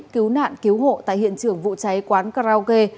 cứu nạn cứu hộ tại hiện trường vụ cháy quán karaoke